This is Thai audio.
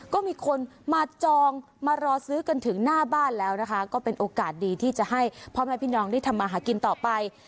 ก็มีคนมาจองมารอซื้อกันถึงหน้าบ้านแล้วนะคะก็เป็นโอกาสดีที่จะให้พ่อแม่พี่น้องได้ทำมาหากินต่อไป